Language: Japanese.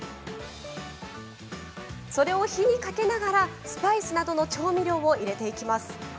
それを火にかけながらスパイスなどの調味料を入れていきます。